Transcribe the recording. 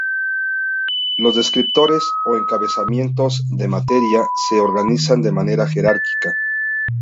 Los descriptores o encabezamientos de materia se organizan de manera jerárquica.